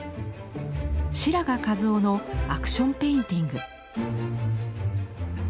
白髪一雄のアクション・ペインティング。